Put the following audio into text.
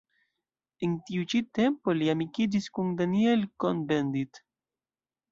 En tiu ĉi tempo li amikiĝis kun Daniel Cohn-Bendit.